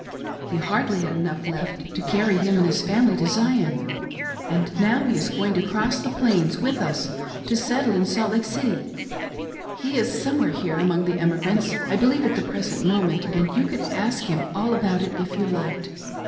He hardly had enough left to carry him and his family to Zion ; and now he is going to cross the Plains with us, to settle in Salt Lake City. He is somewhere here among the emigrants, I believe, at the present moment, and you could ask him all about it if you liked.